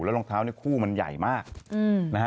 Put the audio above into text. รองเท้าเนี่ยคู่มันใหญ่มากนะฮะ